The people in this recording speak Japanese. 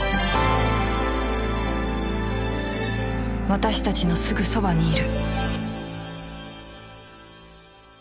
私たちのすぐそばにいる